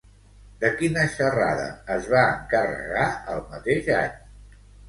De quina xerrada es va encarregar el mateix any?